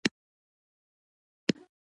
مجاهد د خپل قوم ویاړ دی.